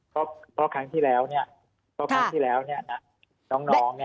เพราะครั้งที่แล้วน้องน้อง